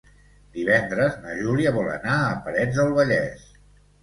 Divendres na Júlia vol anar a Parets del Vallès.